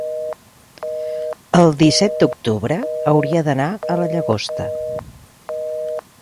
el disset d'octubre hauria d'anar a la Llagosta.